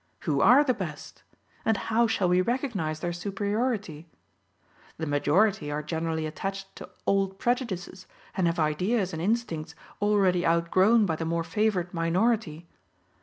Who are the best? And how shall we recognize their superiority. The majority are generally attached to old prejudices, and have ideas and instincts already outgrown by the more favored minority.